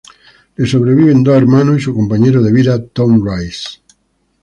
Le sobreviven dos hermanos y su compañero de vida, Tom Reise.